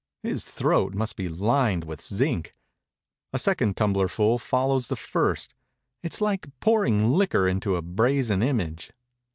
His throat must be lined with zinc. A second tumblerful follows the first. It is like pouring liquor into a brazen image.